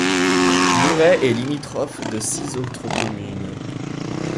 Bourret est limitrophe de six autres communes.